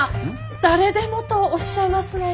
「誰でも」とおっしゃいますのは？